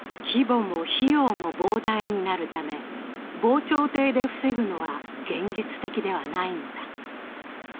規模も費用も膨大になるため、防潮堤で防ぐのは現実的ではないのだ。